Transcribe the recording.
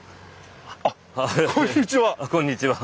あっこんにちは！